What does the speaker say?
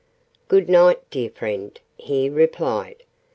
"Good night, dear friend!" he replied.